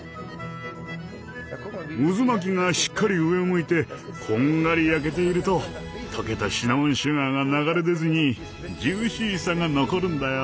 渦巻きがしっかり上を向いてこんがり焼けていると溶けたシナモンシュガーが流れ出ずにジューシーさが残るんだよ。